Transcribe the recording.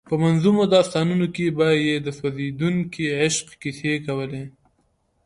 په منظومو داستانونو کې به یې د سوځېدونکي عشق کیسې کولې.